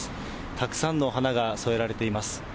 たくさんの花が添えられています。